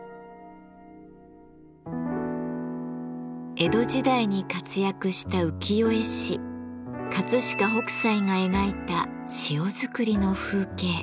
江戸時代に活躍した浮世絵師飾北斎が描いた塩作りの風景。